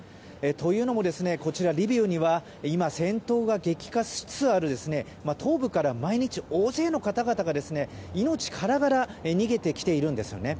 というのも、こちらリビウには今、戦闘が激化しつつある東部から毎日、大勢の方々が命からがら逃げてきているんですよね。